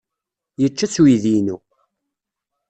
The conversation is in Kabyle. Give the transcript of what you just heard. Yečča-tt uydi-inu.